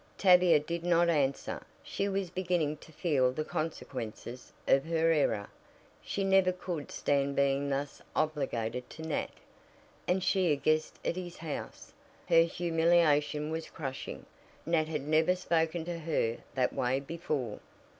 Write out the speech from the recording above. Tavia did not answer. She was beginning to feel the consequences of her error. She never could stand being thus obligated to Nat and she a guest at his house! Her humiliation was crushing. Nat had never spoken to her that way before.